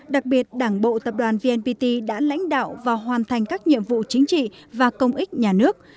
đặc biệt đảng bộ tập đoàn vnpt đã lãnh đạo và hoàn thành các nhiệm vụ chính trị và công ích nhà nước